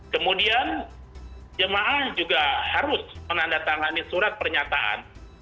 kemudian jemaah juga harus menandatangani surat pernyataan